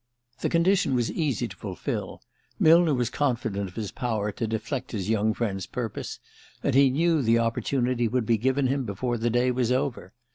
The condition was easy to fulfil. Millner was confident of his power to deflect his young friend's purpose; and he knew the opportunity would be given him before the day was over.